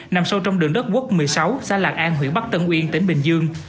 nằm sâu trong đường đất quốc một mươi sáu xã lạc an huyện bắc tân uyên tỉnh bình dương